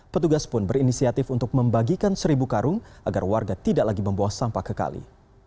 petugas pun berinisiatif untuk membagikan seribu karung agar warga tidak lagi membawa sampah ke kali